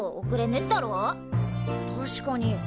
確かに。